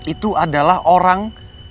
itu adalah orang